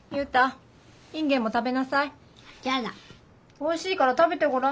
おいしいから食べてごらん。